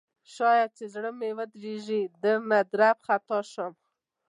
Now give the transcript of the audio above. شاید چې زړه مې ودریږي درنه درب خطا شم